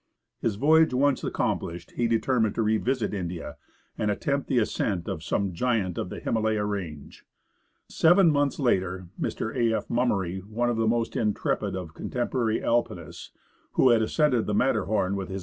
His voyage once accomplished, he determined to revisit India and attempt the ascent of some giant of the Himalaya range. Seven months later, Mr. A. F. Mummer}^ one of the most intrepid of contemporary Alpinists (who had ascended the Matterhorn with H.R.